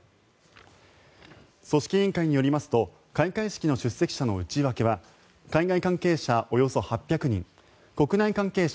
組織委員会によりますと開会式の出席者の内訳は海外関係者およそ８００人国内関係者